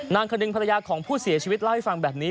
คนหนึ่งภรรยาของผู้เสียชีวิตเล่าให้ฟังแบบนี้